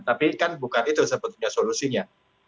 tapi kan bukan itu sebetulnya solusinya